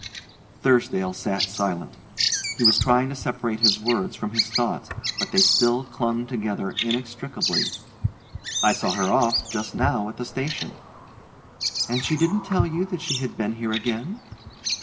Thursdale sat silent. He was trying to separate his words from his thoughts, but they still clung together inextricably. "I saw her off just now at the station." "And she didn't tell you that she had been here again?"